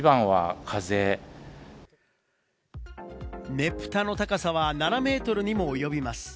ねぷたの高さは７ｍにもおよびます。